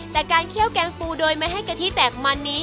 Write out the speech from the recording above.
แต่การเคี่ยวแกงปูโดยไม่ให้กะทิแตกมันนี้